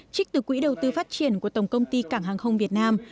trích từ quỹ đầu tư phát triển của tổng công ty cảng hàng không việt nam